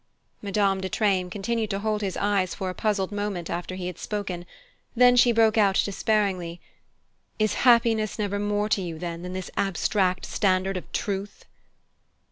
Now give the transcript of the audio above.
Madame de Treymes continued to hold his eyes for a puzzled moment after he had spoken; then she broke out despairingly: "Is happiness never more to you, then, than this abstract standard of truth?"